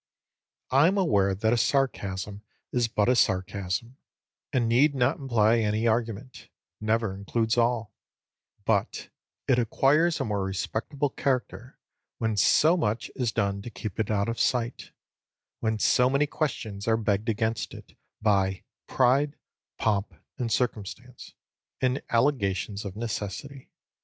I am aware that a sarcasm is but a sarcasm, and need not imply any argument; never includes all; but it acquires a more respectable character when so much is done to keep it out of sight, when so many questions are begged against it by "pride, pomp, and circumstance," and allegations of necessity.